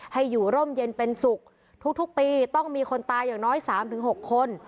ให้อยู่ร่มเย็นเป็นสุขทุกปีต้องมีคนตายอย่างน้อย๓๖คน